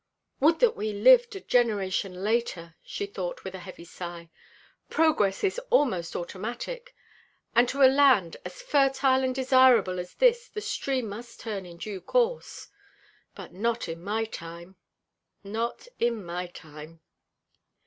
"Would that we lived a generation later," she thought with a heavy sigh. "Progress is almost automatic, and to a land as fertile and desirable as this the stream must turn in due course. But not in my time. Not in my time."